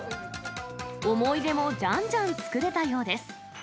思い出もじゃんじゃん作れたようです。